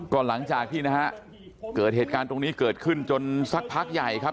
ก็หลังจากที่นะฮะเกิดเหตุการณ์ตรงนี้เกิดขึ้นจนสักพักใหญ่ครับ